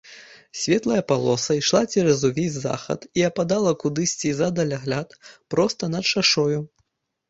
Светлая палоса ішла цераз увесь захад і ападала кудысьці за далягляд проста над шашою.